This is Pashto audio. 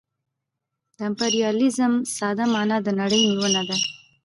د امپریالیزم ساده مانا د نړۍ نیونه ده